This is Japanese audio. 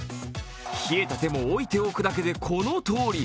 冷えた手も置いておくだけでこのとおり。